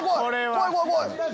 怖い怖い怖い！